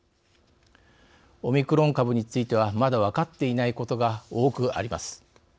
オミクロン株についてはまだ分かっていないことが多くあります。